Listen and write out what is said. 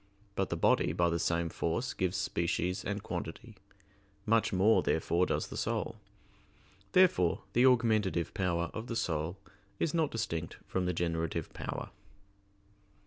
But the body by the same force gives species and quantity; much more, therefore, does the soul. Therefore the augmentative power of the soul is not distinct from the generative power.